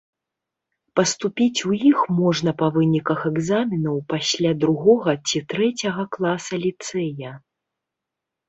Паступіць у іх можна па выніках экзаменаў пасля другога ці трэцяга класа ліцэя.